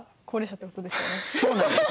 そうなんです！